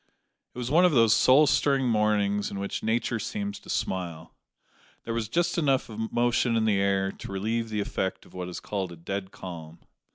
It was one of those soul stirring mornings in which Nature seems to smile. There was just enough of motion in the air to relieve the effect of what is called a dead calm.